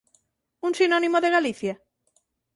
¿Un sinónimo de Galicia?